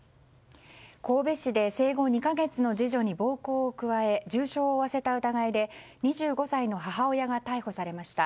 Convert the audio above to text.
神戸市で生後２か月の次女に暴行を加え重傷を負わせた疑いで２５歳の母親が逮捕されました。